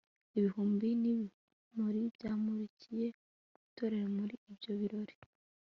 ibihumbi n'ibimuri byamurikiye itorero muri ibyo birori